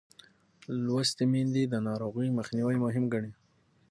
لوستې میندې د ناروغۍ مخنیوی مهم ګڼي.